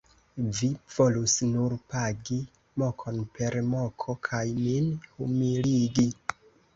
Vi volus nur pagi mokon per moko kaj min humiligi.